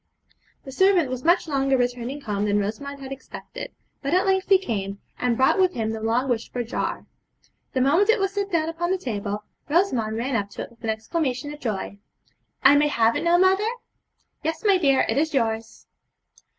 The servant was much longer returning home than Rosamond had expected; but at length he came, and brought with him the long wished for jar. The moment it was set down upon the table, Rosamond ran up to it with an exclamation of joy. 'I may have it now, mother?' 'Yes, my dear! it is yours.'